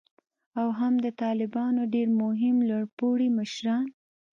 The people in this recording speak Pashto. او هم د طالبانو ډیر مهم لوړ پوړي مشران